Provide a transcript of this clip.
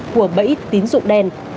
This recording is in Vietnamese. của bẫy tín dụng đen